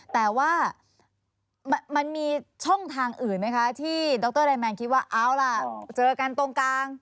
แต่ว่ามันมีช่องทางอื่นไหมคะที่ดรไลแมนคิดว่าเอาล่ะเจอกันตรงกลาง